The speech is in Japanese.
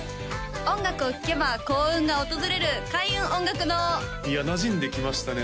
音楽を聴けば幸運が訪れる開運音楽堂いやなじんできましたね